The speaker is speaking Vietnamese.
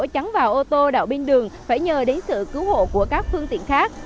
chắn vào ô tô đạo bên đường phải nhờ đến sự cứu hộ của các phương tiện khác